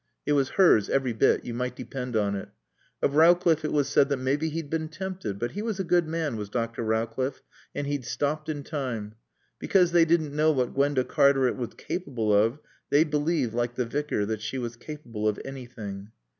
It was hers, every bit, you might depend on it. Of Rowcliffe it was said that maybe he'd been tempted, but he was a good man, was Dr. Rowcliffe, and he'd stopped in time. Because they didn't know what Gwenda Cartaret was capable of, they believed, like the Vicar, that she was capable of anything.